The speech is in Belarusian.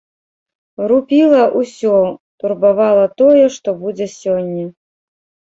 Рупіла ўсё, турбавала тое, што будзе сёння.